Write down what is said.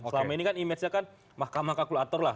selama ini kan image nya kan mahkamah kalkulator lah